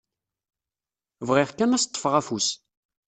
Bɣiɣ kan ad s-ṭṭfeɣ afus.